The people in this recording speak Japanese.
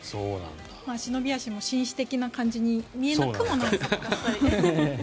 忍び足も紳士的な感じに見えなくもなかった。